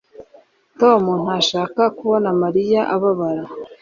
tom ntashaka kubona mariya ababara